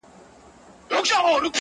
تا ول زه به یارته زولنې د کاکل واغوندم ,